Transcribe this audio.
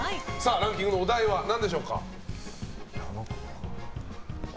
ランキングのお題は何でしょうか。